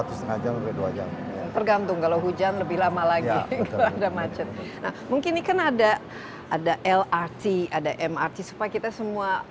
tergantung kalau hujan lebih lama lagi ada macet mungkin ikan ada ada lrt ada mrt supaya kita semua